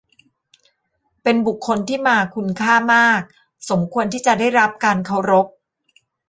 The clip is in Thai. เป็นบุคคลที่มาคุณค่ามาก สมควรที่จะได้รับการเคารพ